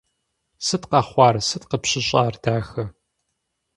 Сыт къэхъуар, сыт къыпщыщӏар, дахэ?